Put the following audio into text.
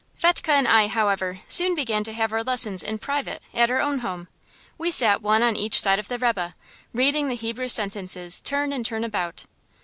Fetchke and I, however, soon began to have our lessons in private, at our own home. We sat one on each side of the rebbe, reading the Hebrew sentences turn and turn about.